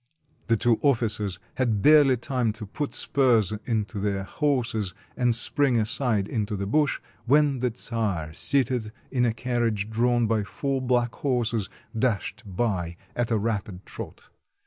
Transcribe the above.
" The two officers had barely time to put spurs into their horses and spring aside into the bush, when the czar, seated in a carriage drawn by four black horses, dashed by at a rapid trot.